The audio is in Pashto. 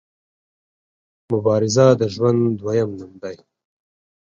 مبارزه د ژوند دویم نوم دی.